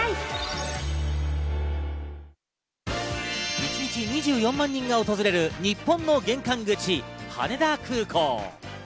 一日２４万人が訪れる日本の玄関口・羽田空港。